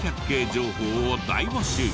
情報を大募集。